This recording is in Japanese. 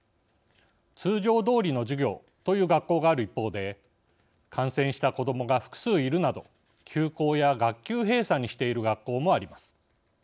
通常どおりの授業という学校がある一方で感染した子どもが複数いるなど休校や学級閉鎖にしている学校もあります。